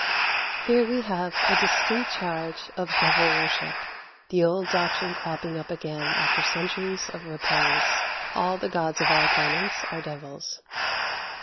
] 30. Here we have a distinct charge of devil worship the old doctrine cropping up again after centuries of repose: "all the gods of our opponents are devils."